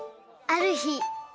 あるひ